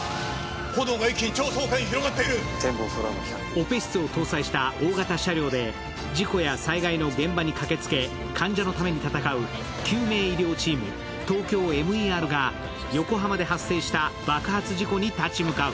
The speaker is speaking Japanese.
オペ室を搭載した大型車両で事故や災害の現場に駆けつけ患者のために戦う救命医療チーム、「ＴＯＫＹＯＭＥＲ」が横浜で発生した爆発事故に立ち向かう。